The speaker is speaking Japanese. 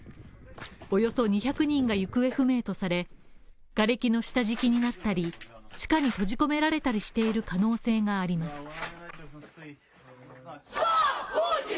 およそ２００人が行方不明とされがれきの下敷きになったり、地下に閉じ込められたりしている可能性があります。